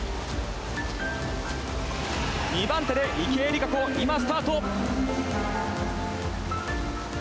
２番手で、池江璃花子今スタート。